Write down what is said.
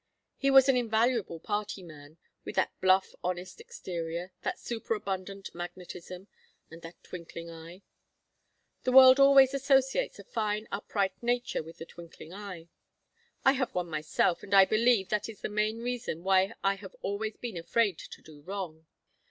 He was an invaluable party man, with that bluff honest exterior, that superabundant magnetism, and that twinkling eye. The world always associates a fine upright nature with a twinkling eye. I have one myself and I believe that is the main reason why I have always been afraid to do wrong.